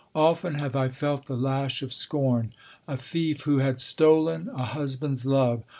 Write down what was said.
Often have I felt the lash of scorn. "A thief who had stolen a husband's love!"